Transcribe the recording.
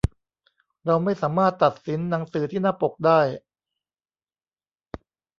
เราไม่สามารถตัดสินหนังสือที่หน้าปกได้